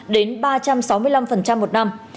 đến ba trăm sáu mươi năm một năm